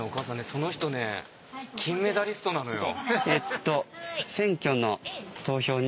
その人ね金メダリストなのよ。